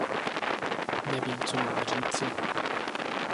Nevím, co mám říci.